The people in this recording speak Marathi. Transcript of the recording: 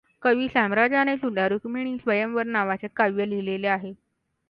कवि सामराजानेसुद्धा रुक्मिणीस्वयंवर नावाचे काव्य लिहिले आहे.